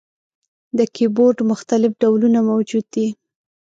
د کیبورډ مختلف ډولونه موجود دي.